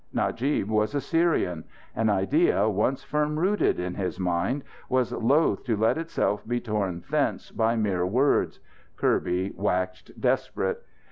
Najib was a Syrian. An idea once firm rooted in his mind, was loathe to let itself be torn thence by mere words. Kirby waxed desperate.